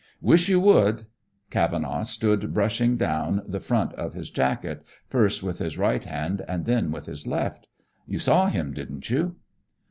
"Wish you would." Cavenaugh stood brushing down the front of his jacket, first with his right hand and then with his left. "You saw him, didn't you?"